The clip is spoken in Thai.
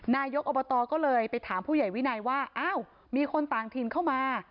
นายกอบตก็เลยไปถามผู้ใหญ่วินัยว่าอ้าวมีคนต่างถิ่นเข้ามา